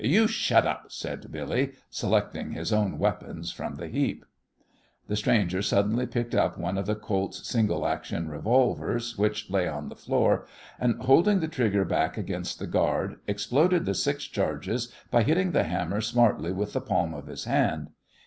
"You shut up!" said Billy, selecting his own weapons from the heap. The stranger suddenly picked up one of the Colt's single action revolvers which lay on the floor, and, holding the trigger back against the guard, exploded the six charges by hitting the hammer smartly with the palm of his hand.